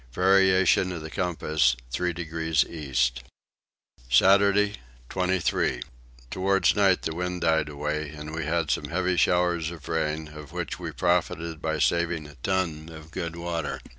Variation of the compass three degrees east. Saturday 23. Towards night the wind died away and we had some heavy showers of rain of which we profited by saving a ton of good water.